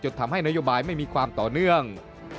ทำให้นโยบายไม่มีความต่อเนื่อง